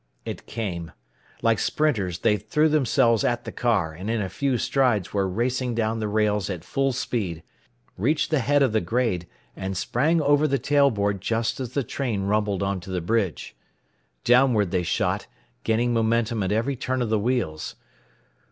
It came. Like sprinters they threw themselves at the car, and in a few strides were racing down the rails at full speed; reached the head of the grade, and sprang over the tail board just as the train rumbled onto the bridge. Downward they shot, gaining momentum at every turn of the wheels.